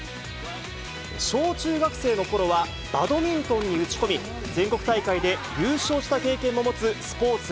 小中学生のころは、バドミントンに打ち込み、全国大会で優勝した経験も持つスポーツ